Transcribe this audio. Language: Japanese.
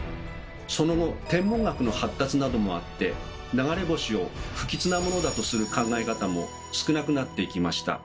その後天文学の発達などもあって流れ星を不吉なものだとする考え方も少なくなっていきました。